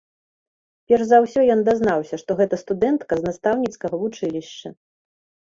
Перш за ўсё ён дазнаўся, што гэта студэнтка з настаўніцкага вучылішча.